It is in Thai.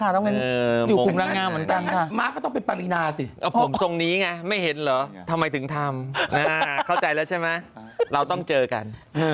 แต่ผมตรงนี้ไงไม่เห็นทำไมถึงทำเข้าใจแล้วใช่ไหมเราต้องเจอกัน